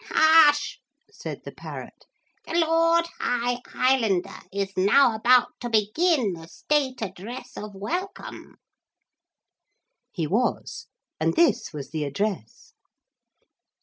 'Hush!' said the parrot; 'the Lord High Islander is now about to begin the state address of welcome!' He was. And this was the address.